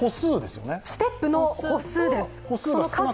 ステップの歩数です。